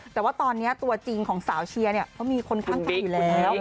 แต่ว่าตอนนี้ตัวจริงของสาวเชียร์เนี่ยเขามีคนข้างอยู่แล้ว